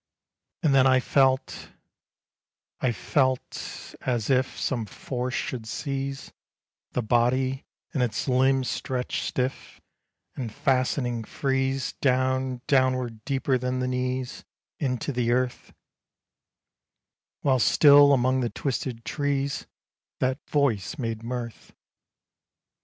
And then I felt, I felt as if Some force should seize The body; and its limbs stretch stiff, And, fastening, freeze Down, downward deeper than the knees Into the earth While still among the twisted trees That voice made mirth.